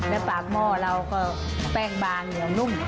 และปากหม้อเราก็แป้งบางเหนียวนุ่ม